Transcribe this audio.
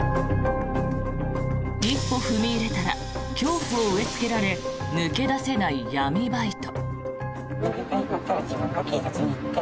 一歩踏み入れたら恐怖を植えつけられ抜け出せない闇バイト。